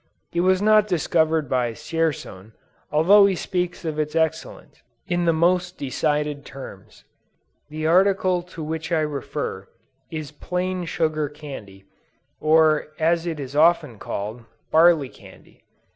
It was not discovered by Dzierzon, although he speaks of its excellence, in the most decided terms. The article to which I refer, is plain sugar candy, or as it is often called, barley candy.